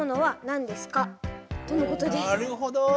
なるほど。